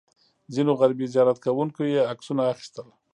ځینو غربي زیارت کوونکو یې عکسونه اخیستل.